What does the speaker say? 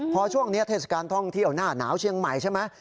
พอช่วงนี้เทศกาลท่องเที่ยวหน้าหนาวเชียงใหม่ใช่ไหม